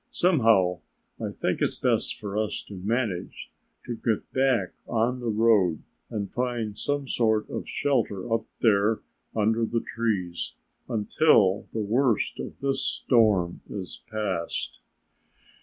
Somehow I think it best for us to manage to get back on the road and find some sort of shelter up there under the trees until the worst of this storm is past."